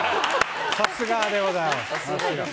さすがでございます。